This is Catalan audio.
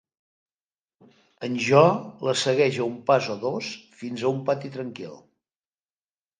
En Jo la segueix a un pas o dos fins a un pati tranquil.